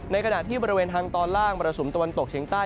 ในกระดาษที่บริเวณทางตอนล่างประสุนตะวันตกเฉียงใต้